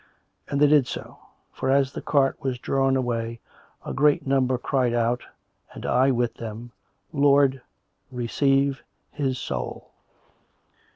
And they did so; for as the cart was drawn away a great number cried out, and I with them. Lord, receive his soul.